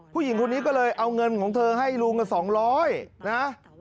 ผู้หญิงคนนี้ก็เลยเอาเงินของเธอให้ลุงกับ๒๐๐นะ